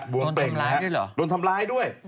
บวมเป็นโดนทำร้ายด้วยเหรอโดนทำร้ายด้วย